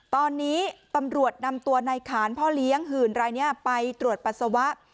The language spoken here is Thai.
ตอนนี้ตำรวจนำตัวในขานพ่อเลี้ยงหื่นรายนี้ไปตรวจปัสสาวะ